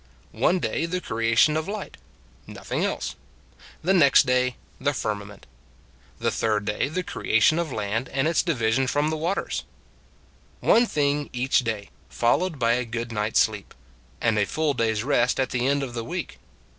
One day the creation of light nothing else. The next day, the firmament. The third day, the creation of land and its. division from the waters. Hezekiah Is Dead 127 One thing each day, followed by a good night s sleep, and a full day s rest at the end of the week.